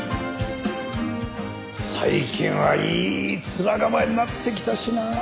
最近はいい面構えになってきたしな。